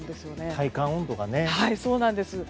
体感温度がね。